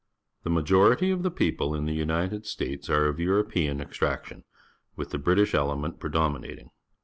The majority of the people in the United States are of European ex traction, with the British ele ment predomin ating.